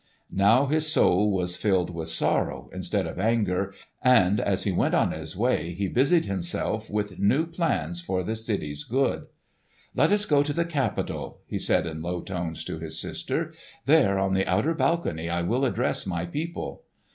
Now his soul was filled with sorrow instead of anger, and as he went on his way he busied himself with new plans for the city's good. "Let us go to the Capitol," he said in low tones to his sister. "There on the outer balcony I will address my people."